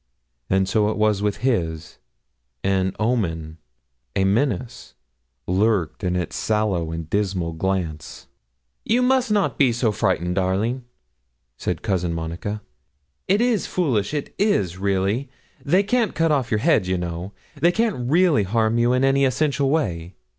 And so it was with his an omen, a menace, lurked in its sallow and dismal glance. 'You must not be so frightened, darling,' said Cousin Monica. 'It is foolish; it is, really; they can't cut off your head, you know: they can't really harm you in any essential way.